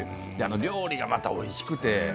料理が、またおいしくて。